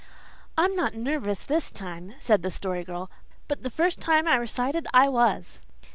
"I'm not nervous this time," said the Story Girl, "but the first time I recited I was."